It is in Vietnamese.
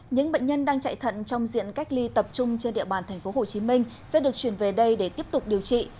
những bệnh nhân đang chạy thận trong diện cách ly tập trung trên địa bàn tp hcm sẽ được chuyển về đây để tiếp tục điều trị